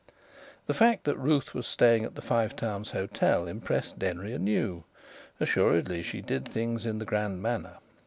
The fact that Ruth was staying at the Five Towns Hotel impressed Denry anew. Assuredly she did things in the grand manner.